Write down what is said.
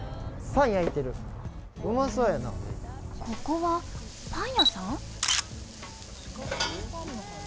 ここはパン屋さん？